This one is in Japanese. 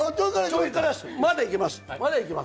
まだ行けます。